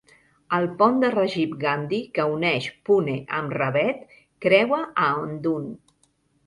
El pont de Rajiv Gandhi que uneix Pune amb Ravet creua a Aundh.